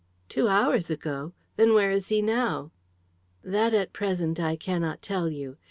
"Two hours ago? Then where is he now?" "That at present I cannot tell you.